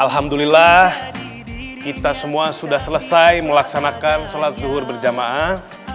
alhamdulillah kita semua sudah selesai melaksanakan sholat duhur berjamaah